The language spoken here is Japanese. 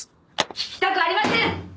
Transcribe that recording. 聞きたくありません！